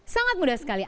sangat mudah sekali